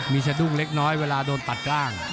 มีสะดุ้งเล็กน้อยเวลาโดนตัดล่าง